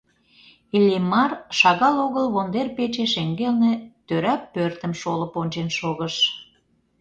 Иллимар шагал огыл вондер-пече шеҥгелне тӧра пӧртым шолып ончен шогыш.